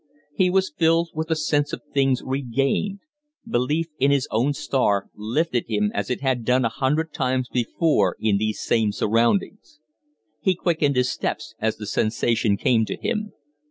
He was filled with the sense of things regained; belief in his own star lifted him as it had done a hundred times before in these same surroundings. He quickened his steps as the sensation came to him.